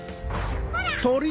ほら！